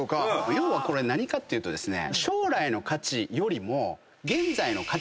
要はこれ何かっていうとですね。